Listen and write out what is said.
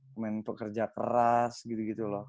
pemain pekerja keras gitu gitu loh